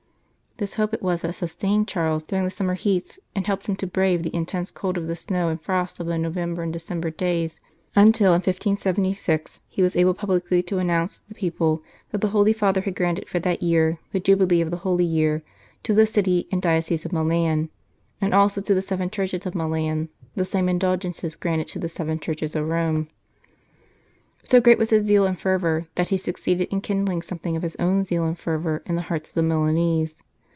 This hope it was that sustained Charles during the summer heats, and helped him to brave the in tense cold of the snow and frosts of the November and December days, until in 1576 he was able publicly to announce to the people that the Holy Father had granted for that year, the Jubilee of the Holy Year, to the City and Diocese of Milan, and also to the seven churches of Milan, the same indulgences granted to the seven churches of Rome. So great was his zeal and fervour that he sue 138 "Tales Ambio Defensores" ceeded in kindling something of his own zeal and fervour in the hearts of the Milanese.